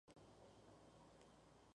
Esta versión se llamó "Kun for dig".